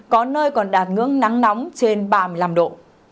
có nơi còn đạt ngưỡng nắng nóng trên ba mươi năm độ